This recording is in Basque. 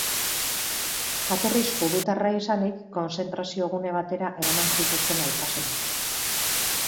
Jatorriz judutarra izanik, konzentrazio-gune batera eraman zituzten aita-semeak.